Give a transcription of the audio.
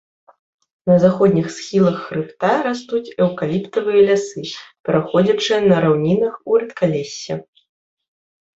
На заходніх схілах хрыбта растуць эўкаліптавыя лясы, пераходзячыя на раўнінах у рэдкалессе.